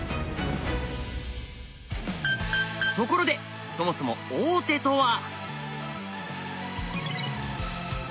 ところでそもそも王手とは。